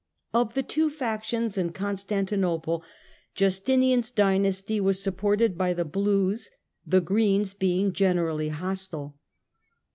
Of the two factions in Constantinople, Justinian's The dynasty was supported by the "blues," the " greens " sedition being generally hostile.